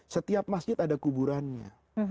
setiap masjid ada kuburannya